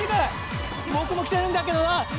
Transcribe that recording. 僕もきてるんだけどな！